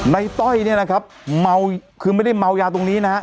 ต้อยเนี่ยนะครับเมาคือไม่ได้เมายาตรงนี้นะฮะ